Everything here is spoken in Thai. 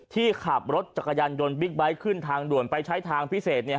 ขับรถจักรยานยนต์บิ๊กไบท์ขึ้นทางด่วนไปใช้ทางพิเศษ